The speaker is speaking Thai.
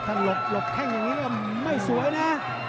ถ้าหลบแค่แบบนี้ไม่สวยนะ